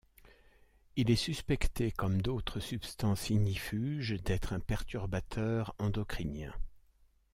Il est suspecté comme d'autres substances ignifuges d'être un perturbateur endocrinien.